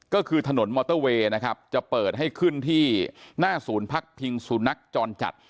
ก็คือถนนมอเตอร์เวย์นะครับจะเปิดให้ขึ้นที่หน้าศูนย์พักพิงสุนัขจรจัด